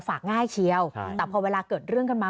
ง่ายเชียวแต่พอเวลาเกิดเรื่องกันมา